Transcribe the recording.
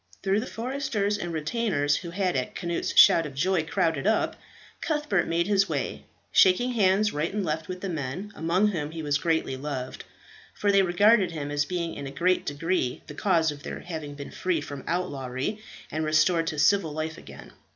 Through the foresters and retainers who had at Cnut's shout of joy crowded up, Cuthbert made his way, shaking hands right and left with the men, among whom he was greatly loved, for they regarded him as being in a great degree the cause of their having been freed from outlawry, and restored to civil life again.